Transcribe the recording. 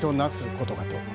ことかと。